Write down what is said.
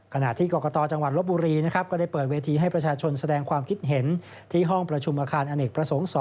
ก็ได้เปิดเวทีให้ประชาชนแสดงความคิดเห็นที่ห้องประชุมอาคารอเนกประสงค์๒